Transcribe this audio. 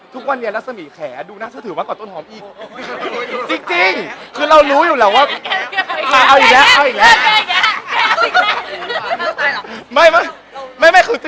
ทุกวันเนี่ยลักษณียแขดูน่าเฉลิมมากกว่าต้นหอมอีก